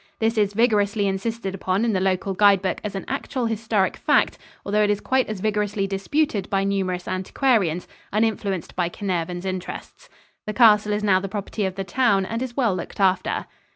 This is vigorously insisted upon in the local guide book as an actual historic fact, although it is quite as vigorously disputed by numerous antiquarians, uninfluenced by Carnarvon's interests. The castle is now the property of the town and is well looked after.